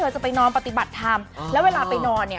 จะไปนอนปฏิบัติธรรมแล้วเวลาไปนอนเนี่ย